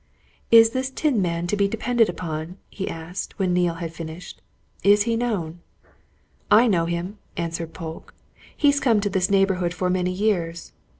"Is this tin man to be depended upon?" he asked, when Neale had finished. "Is he known?" "I know him," answered Polke. "He's come to this neighbourhood for many years.